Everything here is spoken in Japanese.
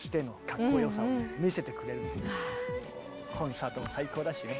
コンサートも最高だしね。